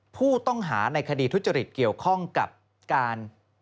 ผู้ต้องหาในคดีทุจริตเกี่ยวข้องกับการ